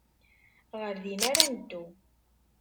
Ɣer din ara neddu.